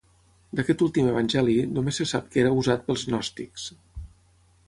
D'aquest últim evangeli només se sap que era usat pels gnòstics.